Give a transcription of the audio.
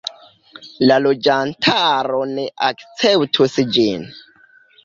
La loĝantaro ne akceptus ĝin.